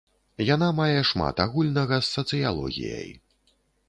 Яна мае шмат агульнага з сацыялогіяй.